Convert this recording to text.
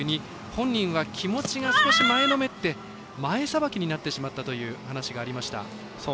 本人は気持ちが少し前のめって前さばきになってしまったという話がありました。